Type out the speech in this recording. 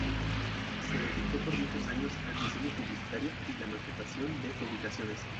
Se dedicó por muchos años al diseño publicitario y la maquetación de publicaciones.